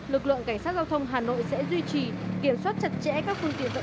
lực lượng cảnh sát giao thông hà nội sẽ duy trì kiểm soát chặt chẽ các phương tiện vận tải